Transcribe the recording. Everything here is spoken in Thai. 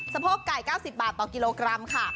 โพกไก่๙๐บาทต่อกิโลกรัมค่ะ